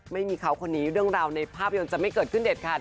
ไม่มีเขาคนนี้เรื่องราวในภาพยนตร์จะไม่เกิดขึ้นเด็ดขาด